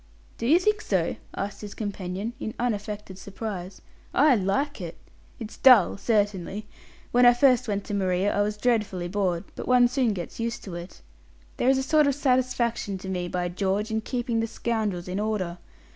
"Do you think so?" asked his companion, in unaffected surprise. "I like it. It's dull, certainly. When I first went to Maria I was dreadfully bored, but one soon gets used to it. There is a sort of satisfaction to me, by George, in keeping the scoundrels in order.